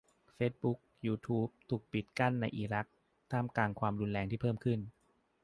เฟซบุ๊ก ยูทูบ ถูกปิดกั้นในอิรัก ท่ามกลางความรุนแรงที่เพิ่มขึ้น